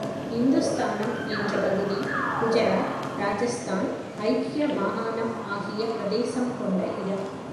இந்துஸ்தானம் என்ற பகுதி, குஜராத், இராஜஸ்தான், ஐக்கிய மாகாணம் ஆகிய பிரதேசம் கொண்ட இடம்.